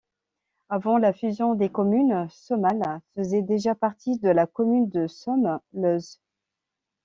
Avant la fusion des communes, Somal faisait déjà partie de la commune de Somme-Leuze.